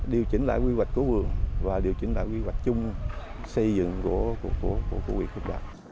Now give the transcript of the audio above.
điều chỉnh lại quy hoạch của vườn và điều chỉnh lại quy hoạch chung xây dựng của huyện